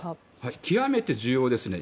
極めて重要ですね。